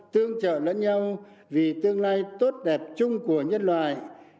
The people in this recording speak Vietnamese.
tương trợ lẫn nhau vì tương lai tốt đẹp chung của nhân loại